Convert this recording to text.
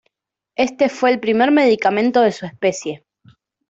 Este fue el primer medicamento de su especie.